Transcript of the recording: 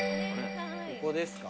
ここですか？